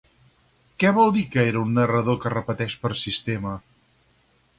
Què vol dir que era un narrador que repeteix per sistema?